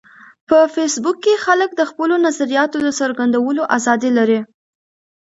په فېسبوک کې خلک د خپلو نظریاتو د څرګندولو ازادي لري